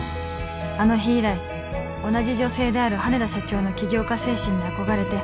「あの日以来同じ女性である羽田社長の起業家精神に憧れて」